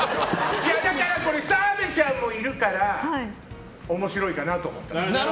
だから、澤部ちゃんもいるから面白いかなと思って。